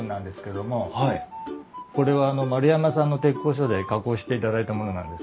これは丸山さんの鉄工所で加工していただいたものなんです。